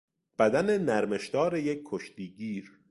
بدن نرمشدار یک کشتی گیر